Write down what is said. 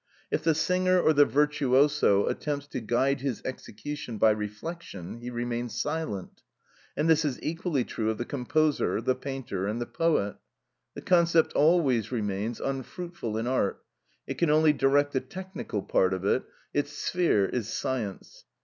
If the singer or the virtuoso attempts to guide his execution by reflection he remains silent. And this is equally true of the composer, the painter, and the poet. The concept always remains unfruitful in art; it can only direct the technical part of it, its sphere is science.